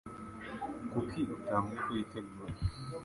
Kuki utambwiye ko yiteguye?